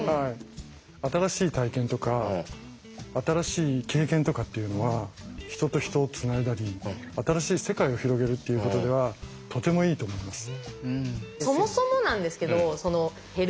新しい体験とか新しい経験とかっていうのは人と人をつないだり新しい世界を広げるっていうことではとてもいいと思います。